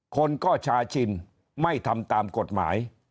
คนก็ชาชินไม่ทำตามกฎหมาย